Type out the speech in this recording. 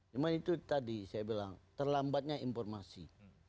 cuma itu tadi saya bilang terlambatnya informasi